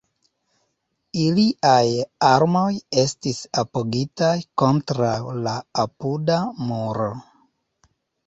Iliaj armoj estis apogitaj kontraŭ la apuda muro.